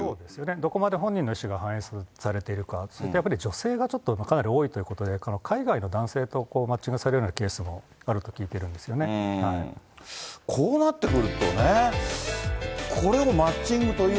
どこまで本人の意思が反映されているか、それとやっぱり女性がちょっとかなり多いということで、海外の男性とマッチングされるようなケースもあると聞いてるんでメイク落としくるくるなじませなきゃって思ってない？